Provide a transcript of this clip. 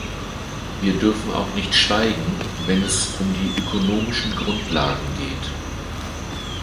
Wir dürfen auch nicht schweigen, wenn es um die ökonomischen Grundlagen geht.